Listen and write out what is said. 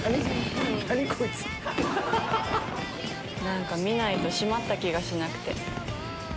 何か見ないと締まった気がしなくて。